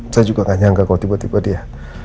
saya juga gak nyangka kalau tiba tiba dia